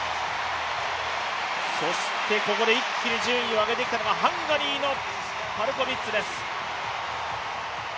そしてここで一気に順位を上げてきたのがハンガリーのパルコビッツです。